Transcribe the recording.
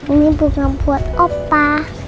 ini bukan buat opa